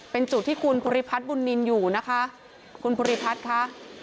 เป็นจุดที่คุณภูริพัฒน์บุญนินอยู่นะคะคุณภูริพัฒน์ค่ะ